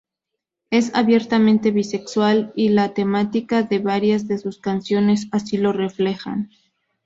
Es abiertamente bisexual y la temática de varias de sus canciones así lo reflejan.